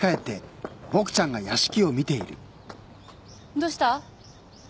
どうした？